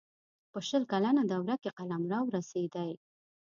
په شل کلنه دوره کې قلمرو رسېدی.